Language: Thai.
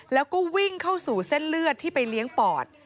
แล้วก็วิ่งเข้าสู่เส้นเลือดที่ไปเลี้ยงปอด